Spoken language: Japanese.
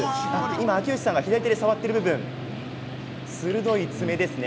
今、秋吉さんが左手で触っている部分、鋭い爪ですね。